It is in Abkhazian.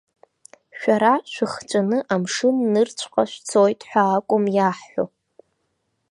Шәара шәыхҵәаны, амшын нырцәҟа шәцоит ҳәа акәым иаҳҳәо.